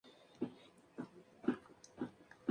Ella es la primera mujer en ocupar este cargo.